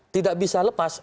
tidak bisa lepas